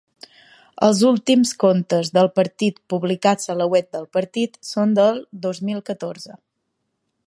Els últims comptes del partit publicats a la web del partit són del dos mil catorze.